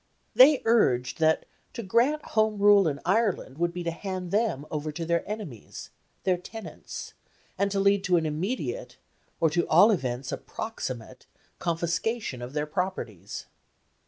They urged that to grant Home Rule in Ireland would be to hand them over to their enemies, their tenants, and to lead to an immediate, or to all events a proximate, confiscation of their properties.